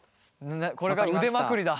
これから腕まくりだ。